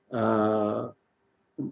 dan juga melibatkan